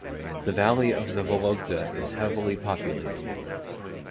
The valley of the Vologda is heavily populated.